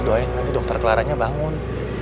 doa dokter kelaranya bangun